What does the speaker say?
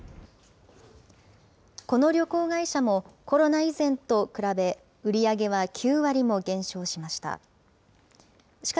この旅行会社もコロナ以前と比べ、売り上げは９割も減少しました。